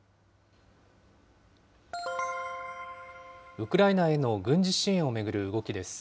ウクライナへの軍事支援を巡る動きです。